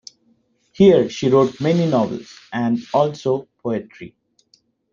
Here she wrote many novels and also poetry.